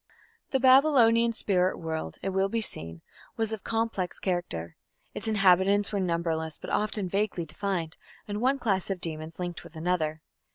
The Babylonian spirit world, it will be seen, was of complex character. Its inhabitants were numberless, but often vaguely defined, and one class of demons linked with another.